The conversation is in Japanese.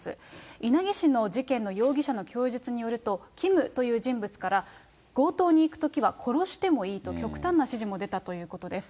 稲城市の事件の容疑者の供述によると、ＫＩＭという人物から、強盗に行くときは殺してもいいと、極端な指示も出たということです。